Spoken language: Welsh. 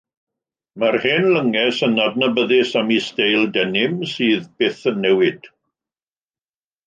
Mae'r Hen Llynges yn adnabyddus am eu steil denim sydd byth yn newid.